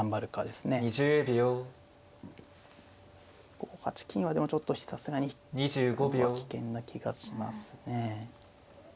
５八金はでもちょっとさすがに引くのは危険な気がしますね。